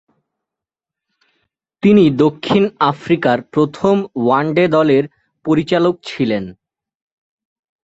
তিনি দক্ষিণ আফ্রিকার প্রথম ওয়ানডে দলের পরিচালক ছিলেন।